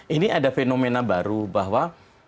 ini ada fenomena baru bahwa